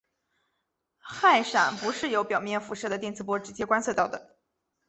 氦闪不是由表面辐射的电磁波直接观测到的。